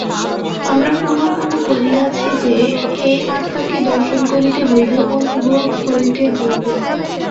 আমরা পুনঃপুন পড়িয়াছি যে, এই আত্মাকে দর্শন করিতে হইবে, অনুভব করিতে হইবে।